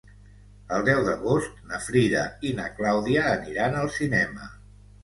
El deu d'agost na Frida i na Clàudia aniran al cinema.